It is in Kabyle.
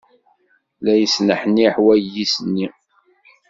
La yesneḥniḥ wayis-nni.